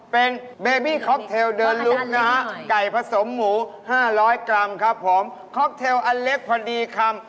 เป็นเบบี้ค็อกเทลเดินลุคนะฮะไก่ผสมหมู๕๐๐กรัมครับผมค็อกเทลอันเล็กพอดีคำ